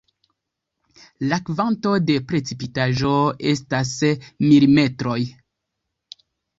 La kvanto de precipitaĵo estas milimetroj.